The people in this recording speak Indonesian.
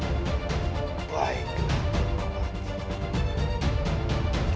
baik kita ke rumah